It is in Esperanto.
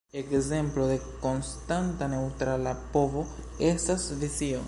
Ekzemplo de konstanta neŭtrala povo estas Svisio.